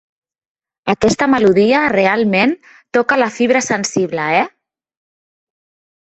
Aquesta melodia realment toca la fibra sensible, eh?